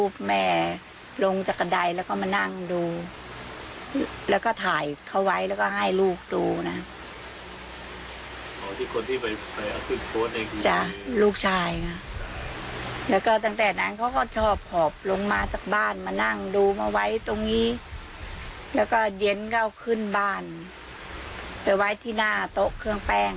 เพื่อนบ้านรอไว้ที่หน้าโต๊ะเครื่องแป้ง